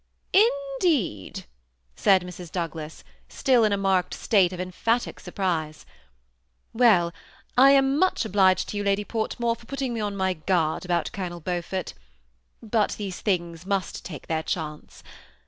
"j&i deed!" said IMrs. Douglas, iftill in a marked state of emphatic surprise. " Well, I am much obliged to you. Lady Portmore, for putting me on my guard about Colonel Beaufort, but these things must take their chance.